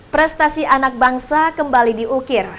prestasi anak bangsa kembali diukir